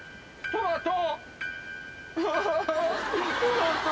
トマト。